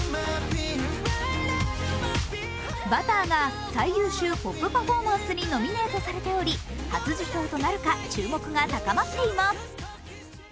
「Ｂｕｔｔｅｒ」が最優秀ポップ・パフォーマンスにノミネートされており、初受賞となるか注目が高まっています。